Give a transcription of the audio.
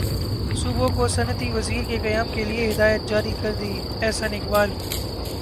صوبوں کو صنعتی زونز کے قیام کیلئے ہدایات جاری کردیں احسن اقبال